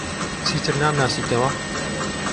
چیتر نامناسیتەوە؟